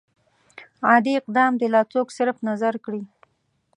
عادي اقدام دې لا څوک صرف نظر کړي.